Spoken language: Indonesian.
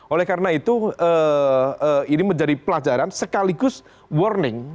oleh karena itu ini menjadi pelajaran sekaligus warning